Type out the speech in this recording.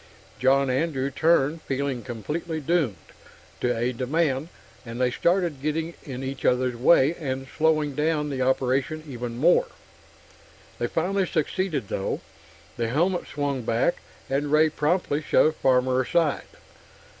John Andrew turned, feeling completely doomed, to aid the man, and they started getting in each other's way and slowing down the operation even more. They finally succeeded, though; the helmet swung back, and Ray promptly shoved Farmer aside.